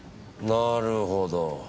なるほど。